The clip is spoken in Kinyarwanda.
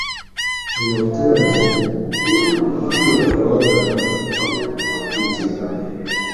nyuma abaturage bakiruka bagana kwa Rugigana